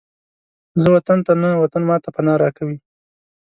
زه وطن ته نه، وطن ماته پناه راکوي